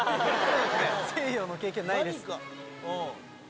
西洋の経験ないです。